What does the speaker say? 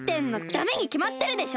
ダメにきまってるでしょ！